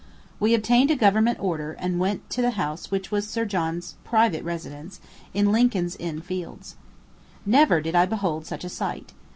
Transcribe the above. We obtained a government order, and went to the house which was Sir John's private residence, in Lincoln's Inn Fields. Never did I behold such a sight.